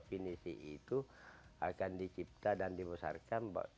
finisi itu akan dicipta dan dibesarkan